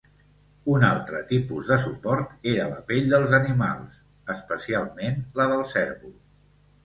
Un altre tipus de suport era la pell dels animals, especialment la del cérvol.